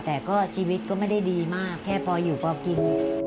แต่ก็ชีวิตก็ไม่ได้ดีมากแค่พออยู่พอกิน